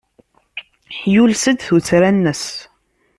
Yules-d tuttra-nnes.